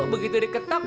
begitu di ketok